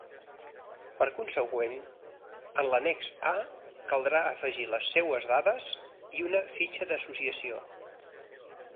Per consegüent, en l'annex A caldrà afegir les seues dades i una "fitxa d'associació".